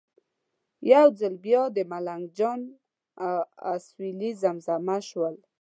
یو ځل بیا د ملنګ جان اسویلي زمزمه شول.